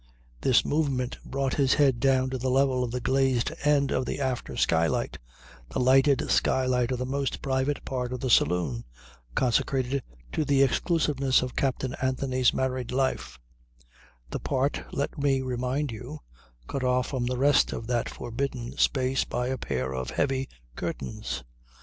This movement brought his head down to the level of the glazed end of the after skylight the lighted skylight of the most private part of the saloon, consecrated to the exclusiveness of Captain Anthony's married life; the part, let me remind you, cut off from the rest of that forbidden space by a pair of heavy curtains.